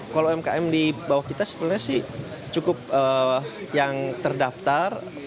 kalau umkm di bawah kita sebenarnya sih cukup yang terdaftar